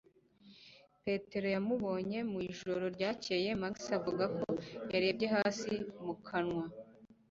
Petero yamubonye mu ijoro ryakeye, Max, avuga ko yarebye hasi mu kanwa